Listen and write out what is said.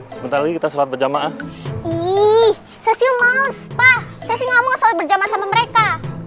cecil gak mau sholat berjamaah sama mereka